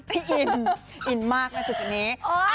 อินอินมากนะจุดนี้